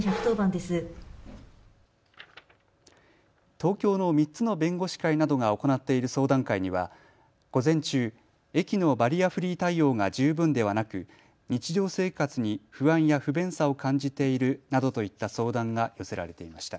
東京の３つの弁護士会などが行っている相談会には午前中、駅のバリアフリー対応が十分ではなく日常生活に不安や不便さを感じているなどといった相談が寄せられていました。